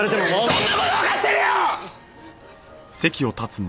そんな事わかってるよ！！